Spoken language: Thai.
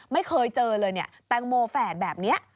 ไม่เคยเจอเลยตังโมแฝดแบบนี้